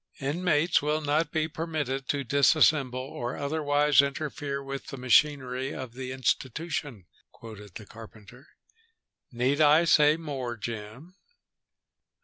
"'Inmates will not be permitted to disassemble or otherwise interfere with the machinery of the institution,'" quoted the carpenter. "Need I say more, Jim?"